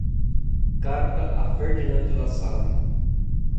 Carta a Ferdinand Lassalle